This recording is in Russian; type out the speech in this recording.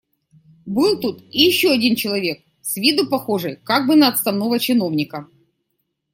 Был тут и еще один человек, с виду похожий как бы на отставного чиновника.